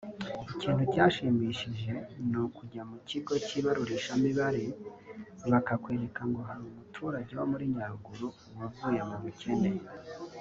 Ikintu cyanshimishije ni ukujya mu kigo cy’ibarurishamibare bakakwereka ngo hari umuturage wo muri Nyaruguru wavuye mu bukene